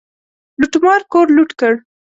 لوټمار کور لوټ کړ.